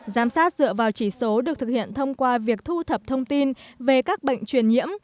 giám sát dựa vào chỉ số được thực hiện thông qua việc thu thập thông tin về các bệnh truyền nhiễm